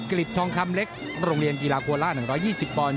กฤทธิ์ทองคำเล็กโรงเรียนกีฬาโคลราช๑๒๐ปอนดิ์